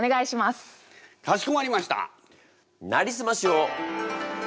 かしこまりました！